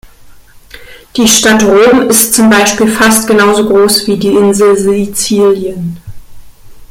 Die Stadt Rom ist zum Beispiel fast genau so groß wie die Insel Sizilien.